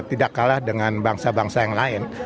tidak kalah dengan bangsa bangsa yang lain